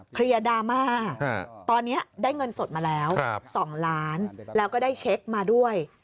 ดราม่าตอนนี้ได้เงินสดมาแล้ว๒ล้านแล้วก็ได้เช็คมาด้วย